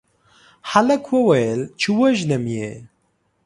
هلک وويل چې وژنم يې